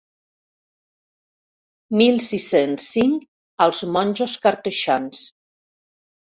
Mil sis-cents cinc als monjos cartoixans.